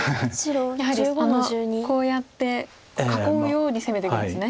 やはりこうやって囲うように攻めていくんですね。